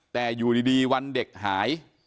แต่อยู่ดีวันเด็กหาย